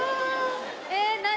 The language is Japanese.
えっ何？